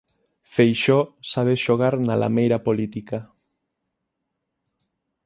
Feixóo sabe xogar na 'lameira política'.